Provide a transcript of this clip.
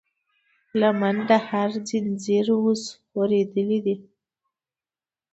لمن د هر زنځير اوس خورېدلی دی